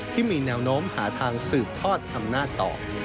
ที่มีแนวโน้มหาทางสืบทอดทำหน้าต่อ